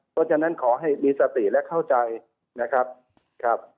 เพราะฉะนั้นขอให้มีสติและเข้าใจนะครับ